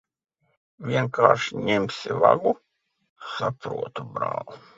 Vienkārši ņemsi vagu? Saprotu, brāl'.